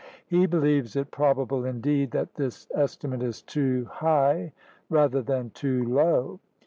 He believes it probable, indeed, that this estimate is too high rather than too low.